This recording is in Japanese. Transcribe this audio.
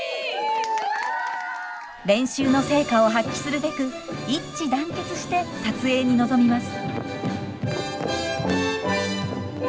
練習の成果を発揮するべく一致団結して撮影に臨みます。